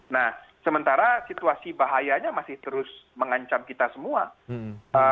nah sementara situasi bahayanya masih terus mengancam kita semua